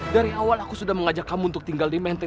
dari awal aku sudah mengajak kamu untuk tinggal di menteng